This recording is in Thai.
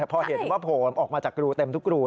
พอเห็นว่าโผล่ออกมาจากทุกกรู